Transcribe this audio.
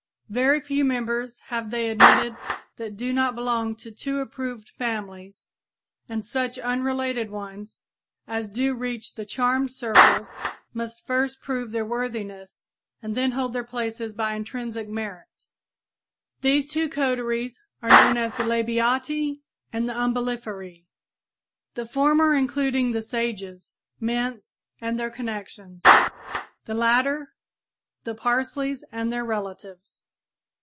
Very few members have they admitted that do not belong to two approved families, and such unrelated ones as do reach the charmed circles must first prove their worthiness and then hold their places by intrinsic merit. [Illustration: Center Row Hand Cultivator] These two coteries are known as the Labiatæ and the Umbelliferæ, the former including the sages, mints and their connections; the latter the parsleys and their relatives.